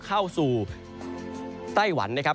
เข้าสู่ไต้หวันนะครับ